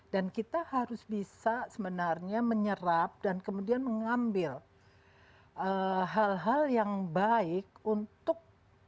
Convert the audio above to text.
dan kita harus bisa sebenarnya menyerap dan kemudian mengambil hal hal yang baik untuk